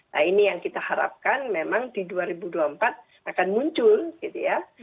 nah ini yang kita harapkan memang di dua ribu dua puluh empat akan muncul gitu ya